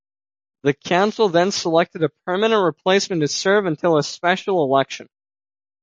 The council then selected a permanent replacement to serve until a special election.